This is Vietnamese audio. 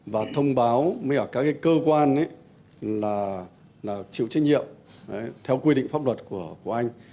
và thông báo với các cơ quan là chịu trách nhiệm theo quy định pháp luật của anh